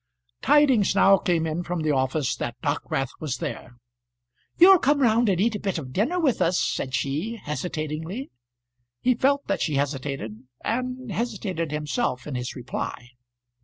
Tidings now came in from the office that Dockwrath was there. "You'll come round and eat a bit of dinner with us?" said she, hesitatingly. He felt that she hesitated, and hesitated himself in his reply.